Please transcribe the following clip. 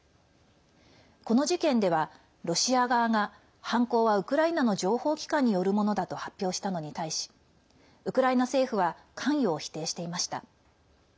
この事件ではロシア側が犯行はウクライナの情報機関によるものだと発表したのに対しウクライナ政府は関与を否定していました。